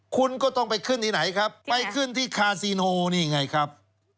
คุณก็ต้องไปขึ้นที่ไหนครับไปขึ้นที่คาซีโนนี่ไงครับ